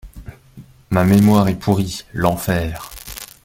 Ma mémoire est pourrie l'enfer.